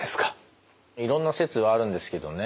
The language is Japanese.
いろんな説はあるんですけどね。